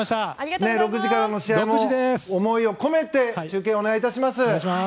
６時からの試合も思いを込めて中継をお願いいたします。